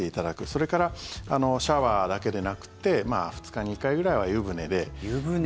それからシャワーだけでなくて２日に１回ぐらいは湯船で。